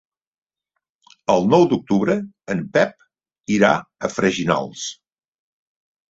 El nou d'octubre en Pep irà a Freginals.